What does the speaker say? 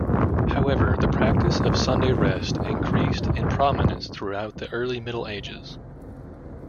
However, the practice of Sunday rest increased in prominence throughout the early Middle Ages.